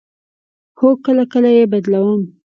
هو، کله کله یی بدلوم